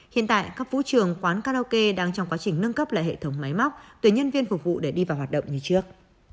hiện tại các vũ trường quán karaoke đang trong quá trình nâng cấp lại hệ thống máy móc tùy nhân viên phục vụ để đi vào hoạt động như trước